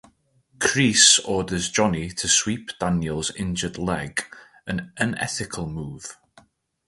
Kreese orders Johnny to sweep Daniel's injured leg, an unethical move.